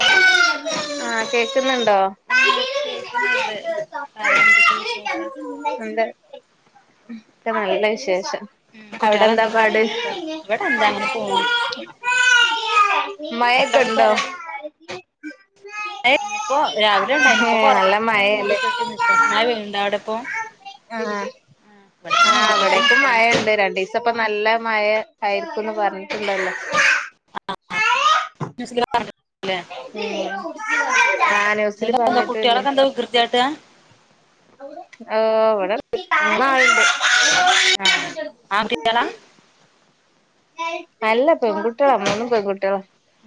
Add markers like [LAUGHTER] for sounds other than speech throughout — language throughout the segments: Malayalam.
ആ ആഹ് കേക്കുന്നുണ്ടോ? ഞ കേക്കുന്നുണ്ട് പറയ എന്തൊക്കും വിശേഷം? ഇക്ക നല്ല വിശേഷം. ഉം അവിടെ എന്താ കുട്ടികളെന്താ പാട്? കരയുന്നുണ്ടോ ഇവിടെ എന്താ അങ്ങനെ പോണു മയ ഒക്കെണ്ടോ? [UNINTELLIGIBLE] ണ്ടായിന് പ്പോ രാവിലെ ണ്ടായിന് പ്പോ ഏഹ് കുറഞ്ഞിക് നല്ല ഇപ്പങ്ങനെ മൂടി മഴയല്ലേ കെട്ടിക്കണ്ട് മഴ പെയ്ണ്ടോ ഔടെ പ്പോ? ആ ആ ഇവിടക്കും നിക്കാണ് മഴുണ്ട് രണ്ടീസം പ്പ നല്ല- മയ ആയിരിക്കും ന്ന് പറഞ്ഞി- ല്ലേ ആ നുസിൽ എന്നിട്ട് എന്താ പറഞ്ഞിട്ടിണ്ട്. കുട്ടികളൊക്കെ എന്താ വികൃതിയാട്ടാ [UNINTELLIGIBLE] ആഹ് ആൺകുട്ടികളാ നല്ല പെൺകുട്ടികളാ രണ്ടും പെൺകുട്ടികള-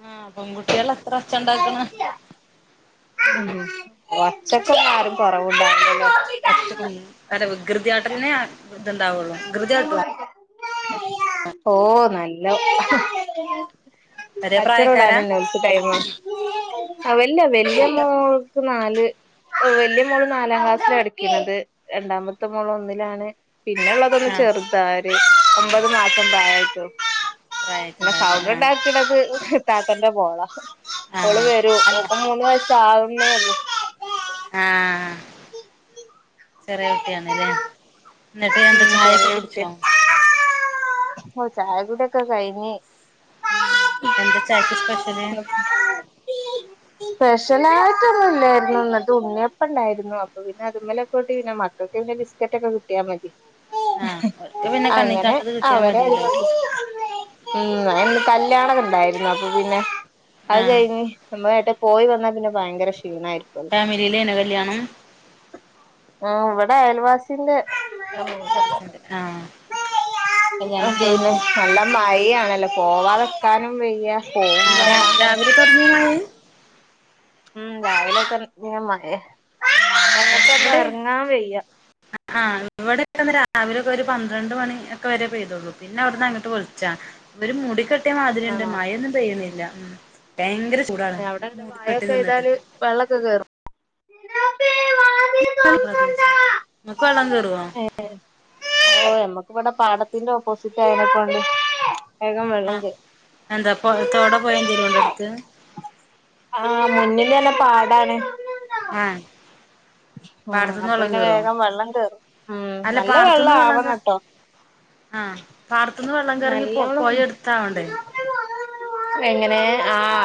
ആഹ് പെൺകുട്ടികൾ എത്ര ഒച്ച ഉണ്ടാക്കണ് ഒച്ചക്കൊന്നും ആരും കൊറവുണ്ടാവൂല കൃതിയായിട്ടേന്ന്ന് ഓ നല്ല- ഒരേ പ്രായക്കാരാ കച്ചറൂടാണല്ലേ ഓല്ക്ക് ടൈം- ആ വല്ല്യ വല്ല്യ മോൾക്ക് നാല് - വലിയ മോള നാലാം ക്ലാസ്സില പ ടിക്കുന്നത് രണ്ടാമത്തെ മോള ഒന്നിലാണ്. പിന്നല്ലാതൊന്ന് ആഹ് ചെറുതാണ് ഒൻപത് മാസം പ്രയായിട്ടൊള്ളു. പിന്നെ പ്രായായിട്ടുണ്ടാവില്ലേ സൗണ്ട് ആഹ് ണ്ടാക്കണത് താത്താന്റെ മോളാ. ഓള് ആഹ് വരും അല്ല ഓല്ക്ക് മൂന്ന് വയസാകുന്നെ ഒള്ളു. ആഹ് ചെറിയ കുട്ടിയാണ് ല്ലേ. എന്നിട്ട് എന്താ ചായൊക്കെ കുടിച്ചോ? ഒ ചായ കുടിയൊക്കെ കയിഞ്ഞ്. മ് എന്താ ചായക്ക് സ്പെഷ്യല്? സ്പെഷ്യലായിട്ട് ഒന്നുല്ലായിരുന്നു ഇന്നലത്തെ ഉണ്ണിയപ്പം ണ്ടായിരുന്നു അപ്പൊ പിന്നെ അതുമ്മലൊക്കെ കൂട്ടി പിന്നെ മക്കൾക്ക് പിന്നെ- ബിസ്ക്കറ്റ് ഒക്കെ കൂട്ടിയാൽ മതി. ആഹ് ഓൽക്ക് പിന്നെ അങ്ങനെ കണ്ണിക്കാണ്ടത് കിട്ടിയാ അവര മതിയല്ലോ മ്മ് - കല്യാണൊക്കെ ണ്ടായിരുന്നു അപ്പൊ പിന്നെ അത് ആഹ് കയിഞ്ഞ് ഞമ്മളെങ്ങട്ടെങ്കിലും പോയി വന്ന പിന്നെ ഭയങ്കര ഷീണ. ഫാമിലിയിലനോ കല്യാണം? ആ ഇവിടെ അയൽവാസിന്റെ. സന്റെ ആ പിന്നെ നല്ല മഴ ആണല്ലോ പോവാതെക്കാനും വയ്യ. പോവും ആ വേണം രാവിലെ തുടങ്ങിയ മായേ? മ് രാവിലെ തന്നെ മഴ ആഹ് ഇന്ന് ഇവിടെ എങ്ങാട്ടൊന്നും ഇവിടെ ഇറങ്ങാൻ വെയ്യ. ആഹ് ഇവിടെയക്കന്ന് രാവിലെ ഒക്കെ ഒരു പന്ത്രണ്ട് മണി ഒക്കെ വരെ പെയ്തുള്ളൂ പിന്നെ അവിടുന്ന് അങ്ങോട്ട് വിളിച്ചാ. ഒര് മുടിക്കെട്ടിയ മാതിരിുണ്ട് ആണോ മഴൊന്നും പെയ്യുന്നില്ല ഉ. അവിടെ മയൊക്കെ പെയ്താൽ വെള്ളൊക്കെ കേറുവോ? [UNINTELLIGIBLE] ങ്ങക്ക് വെള്ളം കെറോ? ത്തിന്റെ ഓപ്പോസിറ്റ് ആയിനെക്കൊണ്ട്- ആ എന്താപ്പോ തോടൊ പൊയെ എന്തെങ്കിലും ഉണ്ടോ അടുത്? ആ മുന്നില്ല് ന്നെ പാടാണ് അ ഉം അപ്പൊ പിന്നെ വേഗം വെള്ളം കേറും ഉ നല്ല വെള്ളാവണട്ടോ ആ പാടത്തുന്ന് വെള്ളംകേറിറങ്ങി പോ നല്ലോണം പൊയ എടുത്താവണ്ടേ [INAUDIBLE]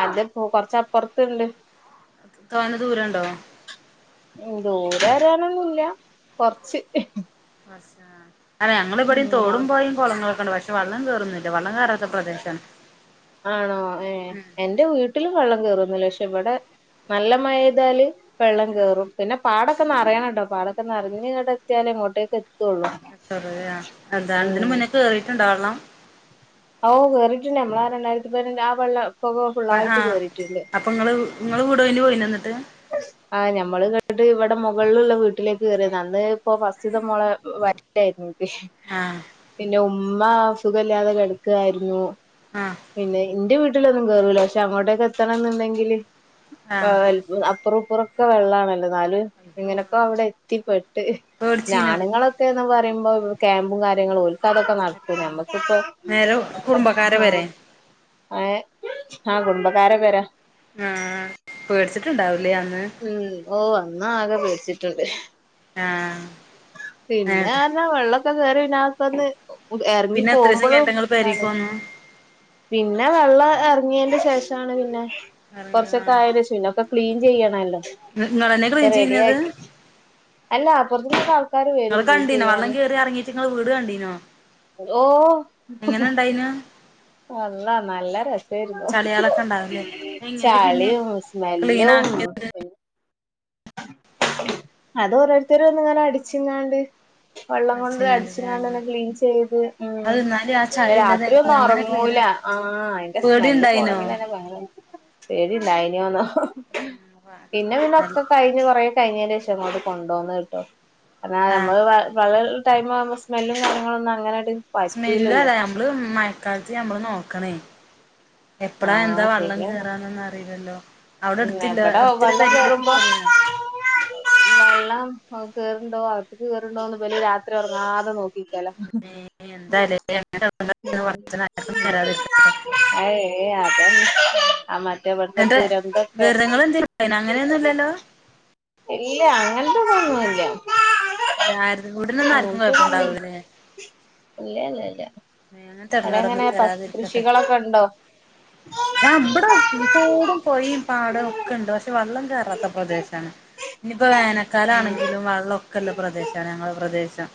അതപ്പോ കൊറച്ചപ്പുറത്ത്ണ്ട് തോനെ ദൂരണ്ടോ ദൂരെ വരാനൊന്നുല്ല്യ കൊറച്ച് അല്ല ഞങ്ങൾ ഇവിടെയും തോടും ഉം പൊഴയും കുളങ്ങളൊക്കെ ഉണ്ട് പക്ഷെ വള്ളം കേറുന്നൂല്യ വള്ളം കേറാ ആണോ ഏ ഉം എന്റെ വീട്ടില് വള്ളം കേയറുന്നൂല്ല്യ ക്ഷേ ഇവിടെ നല്ല മഴതാല് വെള്ളം ആഹ് കേറും പിന്നെ പാട ക്കെ നറയണാട്ടോ പാടൊക്കെ നെറഞ്ഞു ഇങ്ങട്ട് എത്യല്ല് ഇങ്ങോട്ടേക് എ അത്രപ എന്താണ് ഇതിന് ഉം മുന്നേ [UNINTELLIGIBLE] കേറിീട്ടുണ്ടാവള്ളാം ഓ കേറിട്ടുണ്ട് നമ്മളെ ആ രണ്ടായിരത്തിപതിനഞ്ചു ആ വെള്ള പുക ഫുുള്ളായിട്ട് കേറിയിട്ടുണ്ട്. നിങ്ങള്ൾ കൂടെോണ്ടി പോയി നിിട്ട് [UNINTELLIGIBLE] ആ ഞമ്മള് കേട്ട്ട്ട് ഇവിടെ മുകൾള്ള്ള വീട്ടിലേക്ക് കേറിയ അന്ന് ഇപ്പോ ഫസ്റ്റ്ത്തെ മോളെ വറ്റായിരുന്നു ആഹ് പിന്നെ ഉമ്മ സുഖല്ലാതെ കിടക്കായിന്നു ആഹ് പിന്നെ എന്റെ വീട്ടിലൊന്നു കേറൂല പക്ഷെ അങ്ങോട്ടേക്കെ എത്തണം ന്നുണ്ടെങ്കില് വാ ആഹ് ആ അപ്പുറപ്പുറം ഒക്കെ വള്ളണ്ള്ളത് ന്നാലും ഇങ്ങനൊക്കെ അവിടെ എത്തിപെട്ട് ഹ് പേടിച്ചീനോ ഞാനുണുങ്ങളൊക്കെന്ന് പറ പറയ്പൊ ക്യാമ്പും കാര്യങ്ങളു ഒരുക്കൽതൊക്കെ നടക്കും ആഹ് നമ്മക്കിപ്പോ നേരെ കുടുംബക്കാരെ ആ പെരേ ഏ ഹ കുടുംബക്കാരെ പേരാ ആ പേടിച്ചിട്ടുണ്ടാവു ഉം ഓ അന്നാകെ പേടിച്ചിട്ടുണ്ട് ആഹ് എന്നിട്ട് പിന്നെന്ന വെള്ളൊക്കെ കേറിതിനകത്തൊന്ന് എറങ്ങി പിന്നെ എത്രീസം പോമ്പോളും കഴിഞ്ഞിട്ടാ ഇങ്ങള് പെരീക്ക് ന്നാണ് വന്നു പിന്നെ വെള്ളം എറങ്ങിന്റെ ശേഷണ് പിന്നെ കൊറച്ചൊക്കെ ആയാന്റെ ആഹ് ഷേ പിന്നെ ഒ ക്ലീൻ ചെയ്യണല്ലോ ഇങ്ങളെന്നെ ഒക്കെ ക്ലീൻ റെഡി ചെയ്യ്ണത് ആക്കി ച്ച് അല്ല അപ്പറ ഇങ്ങള് കണ്ടീനോ വെള്ളം കേറി എറങ്ങീട്ട് നിങ്ങള് വീട് കണ്ടീനോ ഓ എങ്ങനെ ഇണ്ടായിനു അള്ള നല്ല രസായിരുന്നു ചളികളൊക്കെ ഉണ്ടാവില്ലേ എങ്ങനെ പിന്നെ ചളീം ക്ലീൻ സ്മെല്ലും ആക്കിയത് അത് ഓരോരുത്തര് വന്ന് അടിച്ചിങ്ങാണ്ട് വെള്ള കൊണ്ട് അടിച്ച്ങ്ങാണ്ട് ല്ലേ അടിച്ച്ങ്ങാട് അങ്ങനെ ക്ലീൻ ചെയ്ത് ഉം അത് എന്നാലും ആ ന്നെ ചളി രാത്രി ഇല്ലതായിട്ടില്ല ഒന്ന് അങ്ങനെ ഉറങ്ങു ക്ലീനാ ല ആ അയിന്റെ പേടി സ്മെല്ല് ഉണ്ടായിനോ പോണെങ്കന്നെ ഭയ പേടിണ്ടായിനന്നോ ഹ ഹ വ അ [UNINTELLIGIBLE] കഴിഞ്ഞന്റെഷം ഇങ്ങോട്ട് കൊണ്ടെന്ന് ട്ടോ കിട്ടും കാരണം ആഹ് നമ്മള് വ [UNINTELLIGIBLE] ടൈമാവുബോ സ്മെല്ലും കാര്യങ്ങളൊന്നു അങ്ങനെ സ്മെല്ല് അതാ നമ്മള് മ തൽക്കാൽത്ത് നമ്മള് നോക്കണേ എപ്പളാ എന്താ ആഹ് വള്ളം ശരിയാണ് കേറാന്നന്ന് അറിയില്ലല്ലോ അവിടെ ഉം എടുത്തില്ല എവടെ എടുത്തില്ല വെള്ളം പെരയിലൊക്കെ കറുമ്പോ കേറീണ് വെള്ളം അ കേറുണ്ടോ അകത്ത്ക്ക് കേറുണ്ടോന്ന് ഇവല്ല് രാത്രി ഉറങ്ങതെ നോ ഉം [UNINTELLIGIBLE] ഏയ് അതന്നെ ആ മറ്റേ [UNINTELLIGIBLE] ഇവിടുത്തെ ദുരന്തൊക്കെ [UNINTELLIGIBLE] ഇല്ല അങ്ങനത്തെതോന്നൂല്യ ഇവിടനന്ന ആർക്കും കൊഴപ്പ ഇണ്ടാവന [UNINTELLIGIBLE] ഇല്ലല്ല്യ ല്ല്യ അടെ എങ്ങനെ പ കൃഷികളൊക്കെ ഉണ്ടോ ഞ ബടെ തോടും പൊഴും പാടം ഒക്കെ ണ്ട് പക്ഷെ വെള്ളം കയറാത്ത പ്രദേശമാണ് ഇനിയിപ്പോ വേനക്കാല ആണെങ്കിലും വള്ളോ ല്ല പ്രദേശമാണ് ഞങ്ങളുടെ പ്രദേശം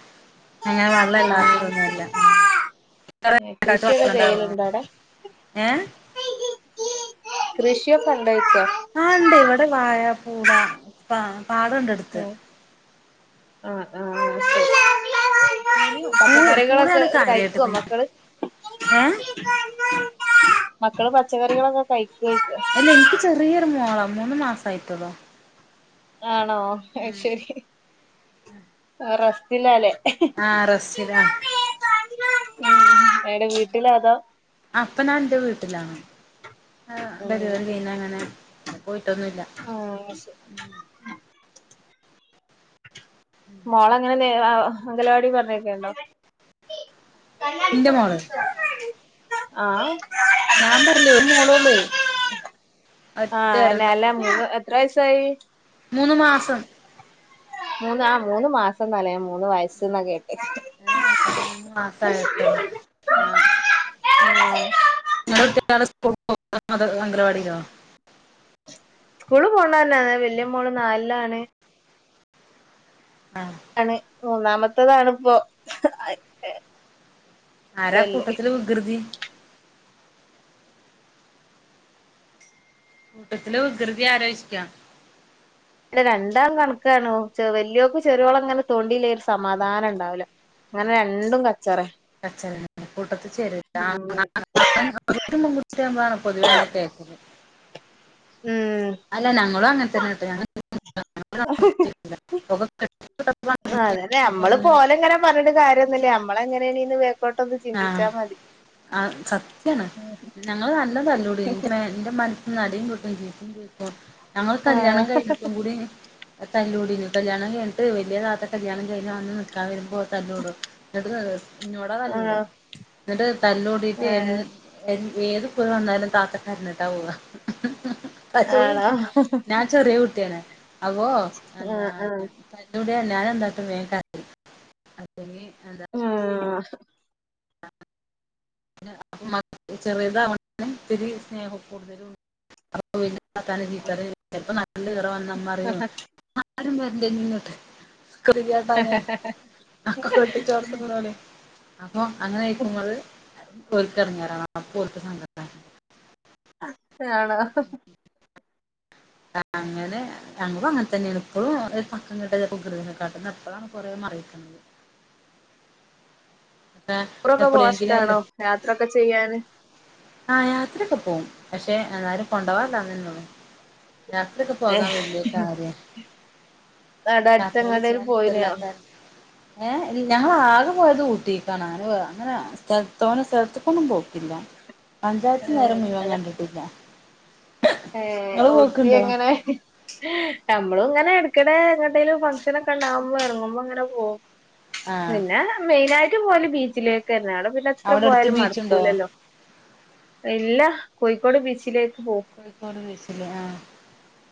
അങ്ങനെ വെള്ളല്ലാത്തതൊന്നുല്ല ആ കൃഷിടെ ചെയ്യലൊണ്ടോവെടെ? ഏഹ് കൃഷിയൊക്കെ ഒണ്ടായിച്ച. ആഹ് ഒണ്ട് ഇവെടെ വാഴ, പൂട പ പാടൊണ്ടടുത്ത്. ഉം ആഹ് ആഹ് ശരി ഉം പൂളിയോ പൂയോ പച്ചക്കറികളൊക്കെ പൂളയാണ് കാര്യാട്ട് കഴിക്കോ തിന്ന മക്കള് ഏ? മക്കെള് പച്ചക്കറികളെക്കെ കഴി ഇല്ല. എനിക്ക് ചെറിയൊരു മോളാ. മൂന്ന് മാസായിട്ടോള്ളൂ. ആണോ. ശെരി റെസ്റ്റിലാല്ലേ? ആഹ് റെസ്റ്റിലാ ഉം ഏടെ വീട്ടിലോതോ? അപ്പനവന്റെ വീട്ടിലാണ്. ഏ ഉം ഡെലിവറി ചെയ്യുന്നെന്നാനെയി ആഹ് ശെരി മോളെങ്ങനെ ന്നേര അംഗലവാടിപ്പോ ഇന്റെ മോള് ആഹ് ഞാൻ പറില്ലേ ഒരു മോളേള്ളൂ. ഒറ്റൊരണോള്ളൂ. തെയ്യ് മൂന്നു മാസം മൂന്ന് ആ മൂന്ന് മാസന്നാലേ. ഞാ മൂന്ന് വയസ്സെന്ന കേട്ടേ. ഏ മൂന്ന് മാസയാത്തൊള്ളൂ ആഹ്. [INAUDIBLE] [UNINTELLIGIBLE] അത് അംഗലവാടിലോ? സ്കൂള് പോണ്ടെന്നാന് വെല്യാ മോള് നാലിലാണ്. ആ ആണ്. മൂന്നാമെത്തെത്താണിപ്പോയാ യെ. ആരാ കൂട്ടത്തില് വികൃതി? കൂട്ടത്തില് വികൃതി ആലോചിക്കാം. രണ്ടാം കണക്കാണ്. ചെ വെല്യ വക്ക് ചെറോളിങ്ങെനെ തോണ്ടിയില്ലേ ഒരു സമാധാനം ഒണ്ടാവില്ല. അങ്ങനെ രണ്ടും ക കച്ചല കൂട്ടത്ത് ചേരു [UNINTELLIGIBLE] കുട്ടിയാമ്പോണ് പൊതുവാനൊക്കെ. ഉം അല്ല നങ്ങെളും അങ്ങനെത്തന്നെട്ടോ ഞ [UNINTELLIGIBLE] ആ അതെ. അതെ നമ്മള് പോലെയിങ്ങനെ പറഞ്ഞിട്ട് കാര്യൊന്നില്യാ. നമ്മളെ എങ്ങനെയാണിനി വെ ഞ ചിന്തിച്ചാൽ മതി ആ സത്യാണ്. ഞങ്ങള് നല്ലതല്ലൂ ക്കൂടിയി ത്രേയെന്റെ മന ന്നടിയും കിട്ടുകേയും ചെയ്യും. പ്പ കേക്കും ഞങ്ങൾ കല്യാണം ആഹ് കഴിഞ്ഞിട്ടും കൂടി. തല്ലൂടിരുന്നു. കല്യാണം കഴിഞ്ഞ്ട്ട് വെല്യാതാത്തെ കല്യാണം കഴിഞ്ഞ് വന്ന് നിക്കാൻ വരുമ്പോയെക്കെ തല്ലൂടും ഇപ്പഴതുപ്പോ ഇന്നോടാ ആണോ തല്ലൂടാ. എന്നിട്ട് തല്ലൂടിട്ട് ഏഹ് എന്നെ. ഏത് കുറ വന്നാലും താത്തക്കരിഞ്ഞിട്ടാ പോവാ. പച്ചേ ആണോ ഞാൻ ചെറിയ കുട്ടിയാണ്. അഗോ എന്താ ആഹ് ആഹ് [UNINTELLIGIBLE] എന്താട്ടും [UNINTELLIGIBLE] അതിന് അന്താ [INAUDIBLE] അപ്പ മ ചെറുയതാവോണ്ടും ഇത്തിരി സ്നേഹ കൂടുതലും. അത് കഴിഞ്ഞ്. അത്താല്ലയും ഇത്താല്ലയും ഇപ്പ നമ്മെളിവെടെവന്നെന്നറിവോ? ആരും വെരണ്ടേയിങ്ങോട്ട് കേറിയാട്ടാ ഞാ ഒക്കെക്കൂട്ടിച്ചേർത്തപ്പോലെ. അപ്പൊ അങ്ങനെയിക്കുമ്പോള് കേക്കെറഞ്ഞിതരണ അപ്പൊനിക്ക് സങ്കടണ്ട്. ആണോ ആഹ് ങ്ങനെ ഞങ്ങളും അങ്ങൻ തന്നേണ് പ്പളും ഒര് പക്കം [UNINTELLIGIBLE] [INAUDIBLE] അപ്പൊ റൊക്കെ എപ്പോഴെങ്കിലും പോവാഷ്ടാണോ അല്ലേ യാത്രൊക്കെ ചെയ്യാന് ആ യാത്രയൊക്കെ പോവും പക്ഷെ ആരും കൊണ്ടോവാല്ലാന്നന്നെള്ളു യാത്രക്കെ പോകാൻ ഏഹ് വല്ല്യ കാര്യ അവിടെ യാത്രോള് അടുത്തെങ്ങടേലും ചെയ്യാൻ പോയിനോ ഇഷ്ടല്ലാത്ത ഏ ഇ ഞാ ആകെ പോയത് ഊട്ടീക്കണങ്ങനെ അങ്ങനെ സ്ഥലത്തോന തോന സ്ഥലത്ക്കൊന്നും പോക്കില്ല പഞ്ചായത്ത് നേരം മുയ് വൻ കണ്ട്ട്ടില്ല ഏ ഊട്ടി എങ്ങനെ ഞമ്മളുങ്ങനെ എട് ക്കനെ എങ്ങട്ടേലും ഫംഗഷൻ ഒക്കെ ഉണ്ടാവുമ്പോ ഇറങ്ങുമ്പോ അങ്ങനെ പോകും ആഹ് പിന്നെ മെയിനായി ട്ട് പോയല് ബീച്ചിലേക്കന്നെ അട പിന്നെത്ര അവിടെ അടുത്ത് പോയാലും ബീച്ചുണ്ടോ മട്ക്കൂലല്ലോ എല്ല കോഴിക്കോട് ബീച്ചിലേക്ക് പോവും കോഴിക്കോട് ബീച്ച്ല് ആ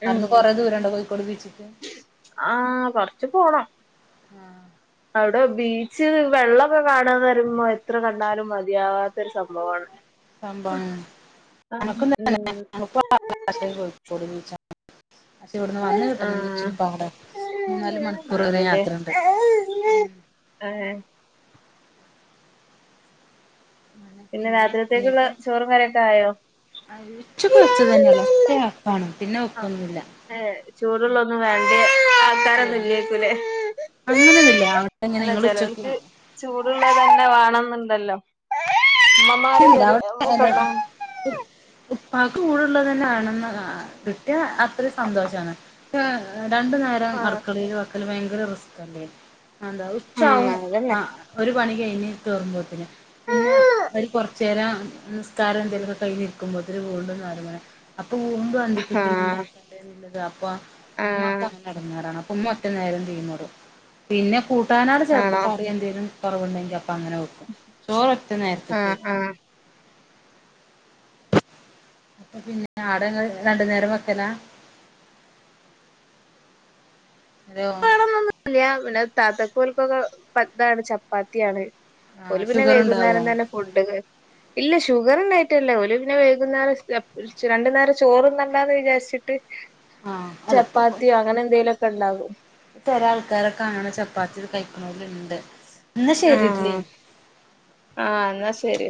അവിടുന്ന് കൊറെേ ദൂരണ്ടോ കോഴിക്കോട് ബീ ആ കൊർച്ച് പോണം ആഹ് അവിടെ ബീച്ച് വെള്ളൊക്കെ കാണാന്ന് വരുമ്പോ എത്ര കണ്ടാലും മതിയാവാത്ത ഒരു സംഭവാണ് സംഭം ആഹ് ഉം [UNINTELLIGIBLE] പക്ഷേ ഇവിടുന്ന് വന്ന് ആഹ് കിട്ടണങ്കിച്ചിരിപ്പാടാണ് ആണല്ലേ ആ പിന്നെ രാത്രിത്തേക്കുള്ള ചോറും കറിയൊക്കെ ആയ അ ഉച്ചക്ക് വെച്ചതന്നെല്ലെ ഒറ്റ വപ്പാണ് ആ ഏ ചൂടുള്ളൊന്നും വേണ്ടെ ആൾക്കാരൊന്നുല്ലേക്കുലേ അങ്ങനെന്നുല്ല അല്ല ചെലോൽക്ക് ചൂടുള്ളതന്നെ വേണന്ന്ണ്ടല്ലൊ ഒക്കെണ്ടോ [UNINTELLIGIBLE] ട്ള്ളതെന്നെ ആണെന്ന് ആ കിട്ടിയ അത്രി സന്തോഷാണ് രണ്ട് നേരം ആഹ് അടുക്കളയിൽ വക്കല് ഭയങ്കര റിസ്കല്ലേ അന്താ ഉം ഉച്ചാവും അതന്നെ ആ ഒരു പണി കഴിഞ് കേറുമ്പോത്തിന് പിന്നെ ആഹ് ഒര് കുറ്ച്ചേരം നിസ്കാരം എന്തെലിലുംക്കെ കയ്യിഞ്ഞ്ര്ക്കുമ്പോത്തിന് വീണ്ടുന്നേരംപോലെ അപ്പൊ വീ ബന്ധിപ്പത്തിന് എന്താണ്ട എന്നുള്ളത് അപ്പൊ ആഹ് ഉ്ക്കങ്ങ നടന്നാറാണ് മ്മ ഒറ്റ നേരം ചെയീന്നോടും പിന്നെ കൂട്ടാനാട് ചെറപ്പ ആണോ കറിയെന്തേലും കൊറവുണ്ടെങ്കി അപ്പ അങ്ങനെ വെക്കും ചോറ് ഒറ്റ നേര ആ ആ അപ്പൊ പിന്നെ ആട രണ്ടു നേരം വെക്കലാ അലോ ഇല്ല പിന്നെ താതക്കോൽക്കൊക്കെ പത്താണ് ചപ്പാത്തിയാണ് ആഹ് ഒല് പിന്നെ ഷുഗർ ഉണ്ടാവോ വൈകുന്നേരം തന്നെ ഫൊഡ് ക ഇല്ല ഷുഗറ്ണ്ടായിട്ടല്ല ഓല് പിന്നെ വൈകുന്നേരം [UNINTELLIGIBLE] രണ്ടു നേരം ചോറ്ന്നണ്ടാന്ന് വിചാരിച്ചിട്ട് ആഹ് ചപ്പാത്തിയോ അങ്ങനെ എന്തെലൊക്കെണ്ടാകും തര ആൾക്കാരൊക്കെ അങ്ങന ചപ്പാത്തി കഴിക്കുന്നോല്ണ്ട് ന്ന ശെരിട്ട്ലി ആ ന്നാ ശരി